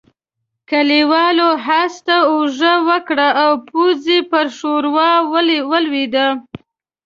کليوالو آس ته اوږه ورکړه او پوځي پر ښوروا ولوېد.